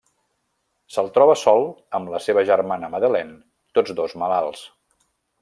Se'l troba sol amb la seva germana Madeleine, tots dos malalts.